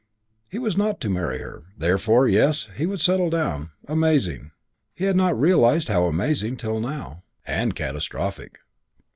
He was not to marry her; therefore, yes, he would settle down. Amazing. He had not realised how amazing till now. And catastrophic.